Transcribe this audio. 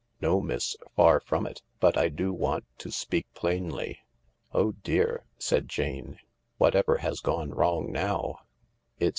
" No, miss, far from it ; but I do want to speak plainly." " Oh dear," said Jane, " whatever has gone wrong now ?